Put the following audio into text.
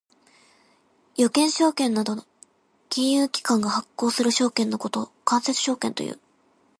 預金証券などの金融機関が発行する証券のことを間接証券という。